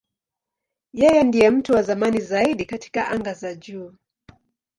Yeye ndiye mtu wa zamani zaidi katika anga za juu.